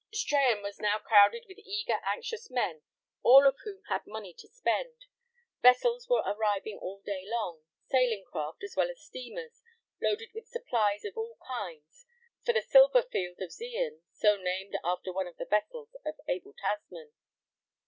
Strahan was now crowded with eager, anxious men, all of whom had money to spend. Vessels were arriving all day long—sailing craft, as well as steamers, loaded with supplies of all kinds, for the "silver field" of Zeehan, so named after one of the vessels of Abel Tasman.